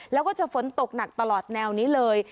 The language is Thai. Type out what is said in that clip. แล้วก็จะฝนตกหนักตลอดแนวนี้เลย